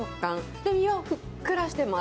で、身はふっくらしてます。